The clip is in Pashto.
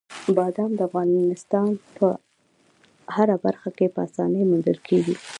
بادام د افغانستان په هره برخه کې په اسانۍ موندل کېږي.